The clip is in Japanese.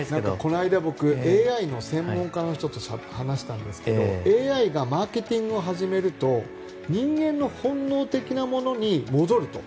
この間僕、ＡＩの専門家の人と話したんですがＡＩがマーケティングを始めると人間の本能的なものに戻ると。